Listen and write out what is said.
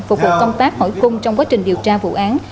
phục vụ công tác hỏi cung trong quá trình điều tra vụ án